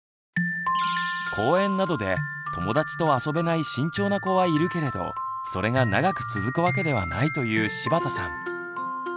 公園などで友達と遊べない慎重な子はいるけれどそれが長く続くわけではないという柴田さん。